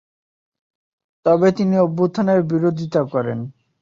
তবে, তিনি এই অভ্যুত্থানের বিরোধিতা করেন।